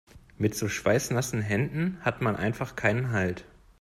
Mit so schweißnassen Händen hat man einfach keinen Halt.